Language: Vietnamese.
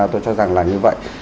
tôi cho rằng là như vậy